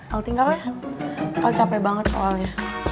el tinggal ya el capek banget soalnya